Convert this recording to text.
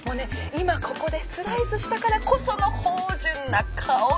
今ここでスライスしたからこその芳じゅんな香り。